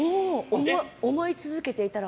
思い続けていたら。